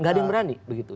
gak ada yang berani begitu